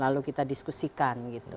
lalu kita diskusikan gitu